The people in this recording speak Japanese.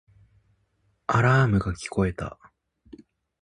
アラームが聞こえた